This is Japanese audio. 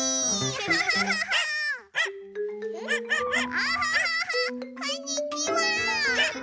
キャハハハこんにちは！